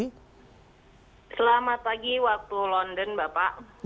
selamat pagi waktu london bapak